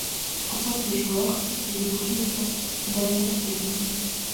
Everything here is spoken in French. En tant que joueur, il évolue aux poste d'arrière et d'ailier.